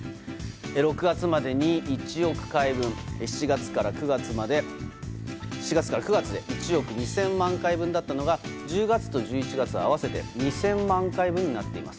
６月までに１億回分７月から９月で１億２０００万回分だったのが１０月と１１月を合わせて２０００万回分になっています。